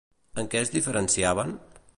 En què es diferenciaven?